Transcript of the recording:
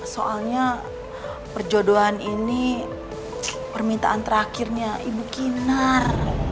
soalnya perjodohan ini permintaan terakhirnya ibu kinar